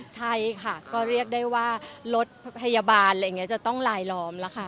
ใช่เรียกได้ว่ารถพยาบาลจะต้องหลายลอม